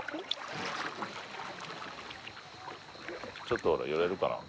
ちょっと寄れるかな？